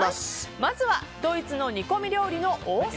まずはドイツの煮込み料理の王様！